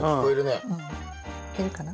いけるかな。